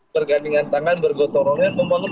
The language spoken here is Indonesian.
bergandingan tangan bergotorongan membangun